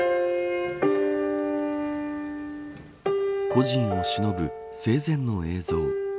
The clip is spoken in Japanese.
故人をしのぶ生前の映像。